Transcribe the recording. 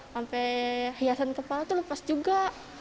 sampe hiasan kepala tuh lepas juga